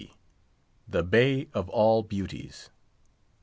THE BAY OF ALL BEAUTIES.